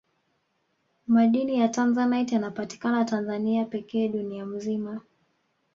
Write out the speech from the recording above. madini ya tanzanite yanapatikana tanzania pekee dunia nzima